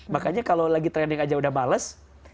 makanya kalau lagi trending aja udah males